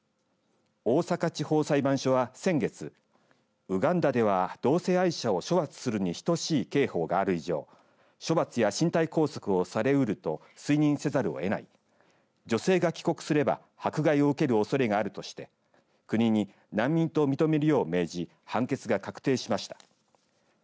大阪地方裁判所は先月ウガンダでは同性愛者を処罰するに等しい刑法がある以上処罰や身体拘束をされうると推認せざるを得ない女性が帰国すれば迫害を受けるおそれがあるとして国に難民と認めるよう命じ判決が確定しました。